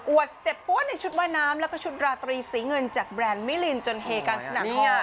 อวดเจ็บปวดในชุดว่าน้ำและก็ชุดราตรีสีเงินจากแบรนด์มิลลินจนเฮกันสนับข้อ